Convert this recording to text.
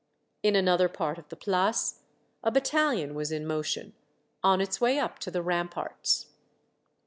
In another part of the Place, a battalion was in motion, on its way up to the ramparts.